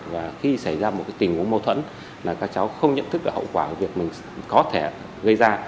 và khi xảy ra một tình huống mâu thuẫn là các cháu không nhận thức được hậu quả của việc mình có thể gây ra